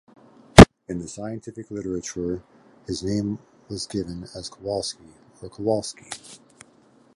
In the scientific literature, his name was given as Kowalski or Kowalsky.